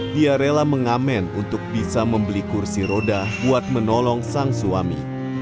dia rela mengamen untuk bisa membeli kursi roda buat menolong sang suami